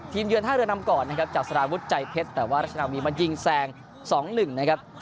เยือนท่าเรือนำก่อนนะครับจากสารวุฒิใจเพชรแต่ว่าราชนาวีมายิงแซง๒๑นะครับ